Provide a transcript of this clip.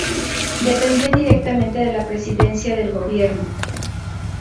Dependía directamente de la Presidencia del Gobierno.